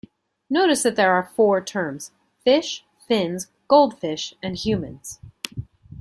Notice that there are four terms: "fish", "fins", "goldfish" and "humans".